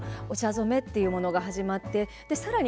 染めというものが始まってさらに